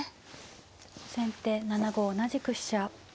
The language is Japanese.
先手７五同じく飛車。